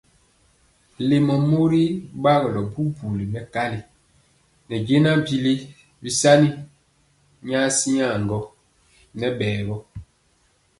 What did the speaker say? Lémɔ mori bagɔlɔ bubuli mɛkali nɛ jɛnaŋ bili sani nyaŋ gugɔ nɛ bɛɛgɔ.